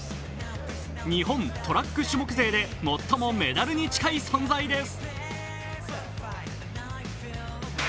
日本トラック種目勢で最もメダルに近い存在です。